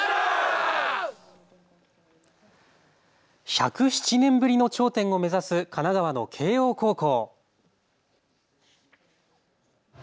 １０７年ぶりの頂点を目指す神奈川の慶応高校。